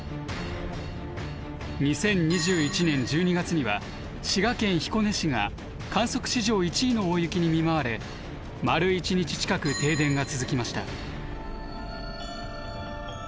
２０２１年１２月には滋賀県彦根市が観測史上１位の大雪に見舞われ丸一日近く停電が続きました。